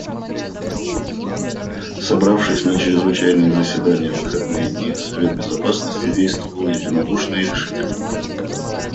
Собравшись на чрезвычайное заседание в выходные дни, Совет Безопасности действовал единодушно и решительно.